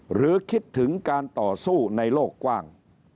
หรือคิดถึงการต่อสู้ในโลกกว้าง